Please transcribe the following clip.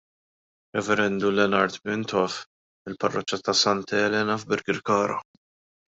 Rev. Leonard Mintoff mill-parroċċa ta' Santa Elena f'Birkirkara.